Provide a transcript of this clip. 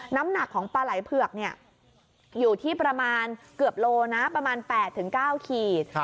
น้ำหนักของปลาไหล่เผือกอยู่ที่ประมาณเกือบโลนะประมาณ๘๙ขีด